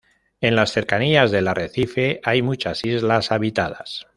En las cercanías del arrecife hay muchas islas habitadas.